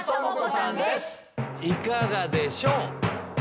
いかがでしょう？